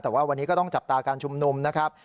แต่ว่าวันนี้ก็ต้องจับตาการชุมนุมนะครับ